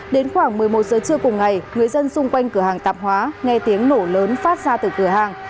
đến khoảng một mươi một giờ trưa cùng ngày người dân xung quanh cửa hàng tạp hóa nghe tiếng nổ lớn phát ra từ cửa hàng